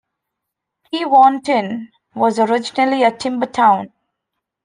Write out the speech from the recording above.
Tewantin was originally a timber town.